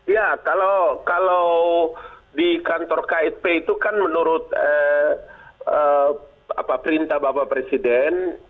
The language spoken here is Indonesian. ya kalau di kantor ksp itu kan menurut perintah bapak presiden